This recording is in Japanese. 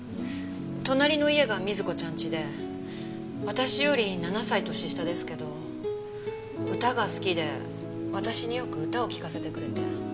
隣の家が瑞子ちゃんちで私より７歳年下ですけど歌が好きで私によく歌を聞かせてくれて。